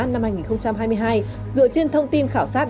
năm hai nghìn hai mươi hai dựa trên thông tin khảo sát